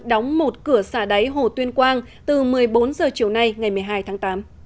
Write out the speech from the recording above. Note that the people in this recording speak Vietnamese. đóng một cửa xả đáy hồ tuyên quang từ một mươi bốn h chiều nay ngày một mươi hai tháng tám